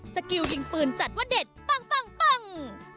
สกิลยิงปืนจัดว่าเด็ดปัง